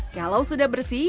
kalau sudah bersih